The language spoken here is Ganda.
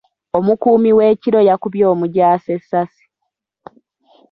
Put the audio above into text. Omukuumi w'ekiro yakubye omujaasi essaasi.